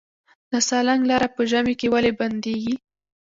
د سالنګ لاره په ژمي کې ولې بندیږي؟